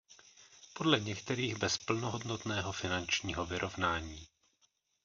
Podle některých bez plnohodnotného finančního vyrovnání.